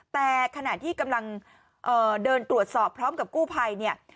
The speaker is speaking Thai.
แต่ขณะที่กำลังเดินตรวจสอบพร้อมกับกู้ภัยเนี่ย